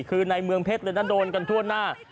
คือในเมืองเพชรเลยนะโดนกันทั่วหน้า